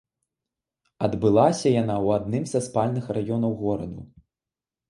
Адбылася яна ў адным са спальных раёнаў гораду.